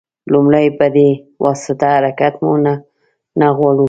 لومړی په دې واسطه حرکت مو نه غواړو.